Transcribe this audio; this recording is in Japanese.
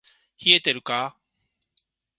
冷えてるか～